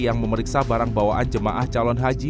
yang memeriksa barang bawaan jemaah calon haji